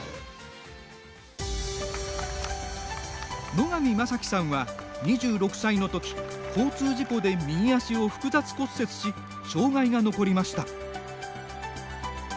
野上正樹さんは２６歳のとき交通事故で右足を複雑骨折し障がいが残りました。